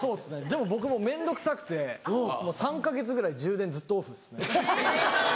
でも僕もう面倒くさくて３か月ぐらい充電ずっとオフです。